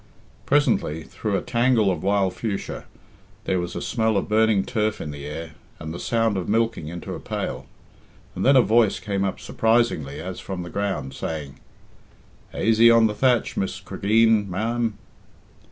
Presently, through a tangle of wild fuchsia, there was a smell of burning turf in the air and the sound of milking into a pail, and then a voice came up surprisingly as from the ground, saying: "Aisy on the thatch, Miss Cregeen, ma'am."